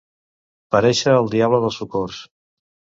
Parèixer el diable dels Socors.